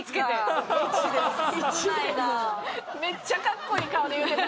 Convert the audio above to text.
めっちゃかっこいい顔で言ってた。